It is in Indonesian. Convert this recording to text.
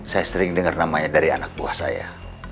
saya sering dengar namanya dari anak buah saya